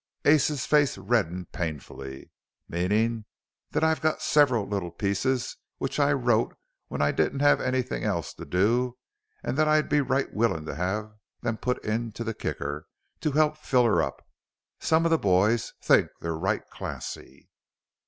Ace's face reddened painfully. "Meanin' that I've got several little pieces which I've wrote when I didn't have anything else to do an' that I'd be right willin' to have them put into the Kicker to help fill her up. Some of the boys think they're right classy."